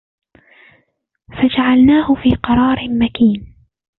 فجعلناه في قرار مكين